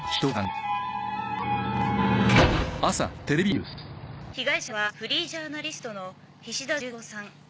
『四季』被害者はフリージャーナリストの菱田十三さん。